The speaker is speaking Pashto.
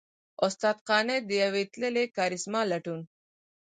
استاد قانت؛ د يوې تللې کارېسما لټون!